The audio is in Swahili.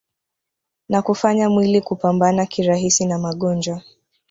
na kufanya mwili kupambana kirahisi na magonjwa